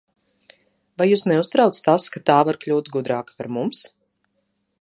Vai jūs neuztrauc tas, ka tā var kļūt gudrāka par mums?